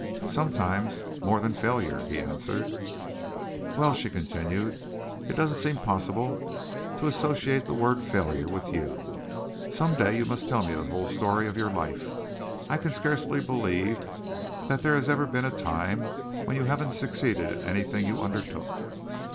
"Sometimes more than failure," he answered. "Well," she continued, "it doesn't seem possible to associate the word 'failure' with you. Some day you must tell me the whole story of your life. I can scarcely believe that there has ever been a time when you haven't succeeded in anything you undertook."